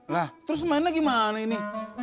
lah terus mainnya gimana ini